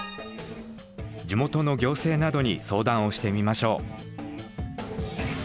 地元の行政などに相談をしてみましょう。